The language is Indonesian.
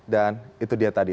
dan itu dia tadi